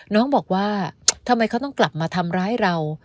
น้องบอกว่าทำไมเขาต้องกลับมาทำร้ายเรา